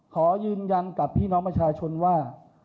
ขอยืนยันกับพี่น้องประชาชนว่า